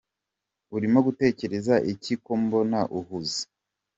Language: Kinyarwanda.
Urimo gutekereza iki ko mbona uhuze?